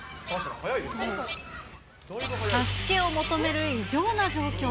助けを求める異常な状況。